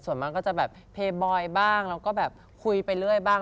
ส่วนมากก็จะเปลี่ยน๑๖๐๐เราก็แบบคุยไปเรื่อยบ้าง